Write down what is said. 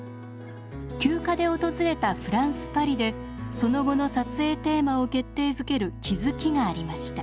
休暇で訪れたフランス・パリでその後の撮影テーマを決定づける気付きがありました。